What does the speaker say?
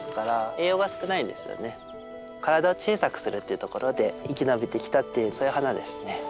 体を小さくするっていうところで生き延びてきたっていうそういう花ですね。